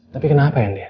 tapi kenapa yandian